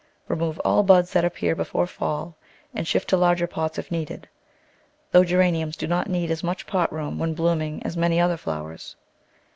Remove all buds that ap pear before fall and shift to larger pots if needed, though Geraniums do not need as much pot room when blooming as many other flowers.